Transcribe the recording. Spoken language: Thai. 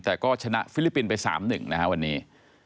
แต่ก็ชนะฟิลิปปินส์ไป๓๑นะฮะวันนี้